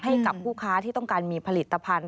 ให้กับผู้ค้าที่ต้องการมีผลิตภัณฑ์